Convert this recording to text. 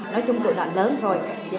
nói chung tụi nó lớn rồi